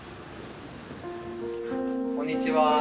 こんにちは。